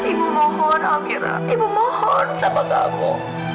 ibu mohon amirah ibu mohon sama kamu